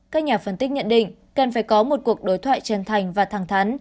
các nhà phân tích nhận định cần phải có một cuộc đối thoại chân thành và thẳng thắn